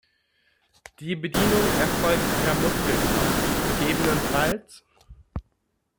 Die Bedienung erfolgt per Muskelkraft, ggf.